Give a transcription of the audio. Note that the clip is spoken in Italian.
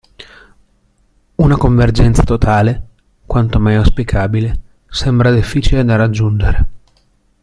Una convergenza totale, quanto mai auspicabile, sembra difficile da raggiungere.